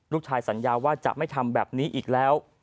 สัญญาว่าจะไม่ทำแบบนี้อีกแล้ว